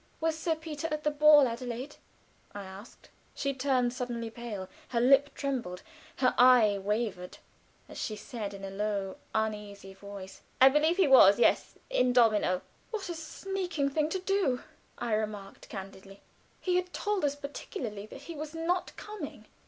"Was Sir Peter at the ball, Adelaide?" I asked. She turned suddenly pale; her lip trembled; her eye wavered, as she said in a low, uneasy voice: "I believe he was yes; in domino." "What a sneaking thing to do!" I remarked, candidly. "He had told us particularly that he was not coming."